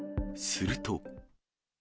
すると。